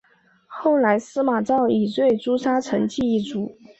后来司马昭以罪诛杀成济一族。